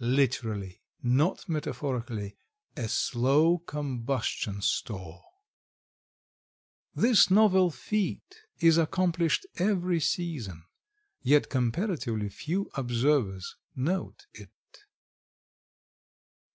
Literally, not metaphorically, a slow combustion store. This novel feat is accomplished every season, yet comparatively few observers note it.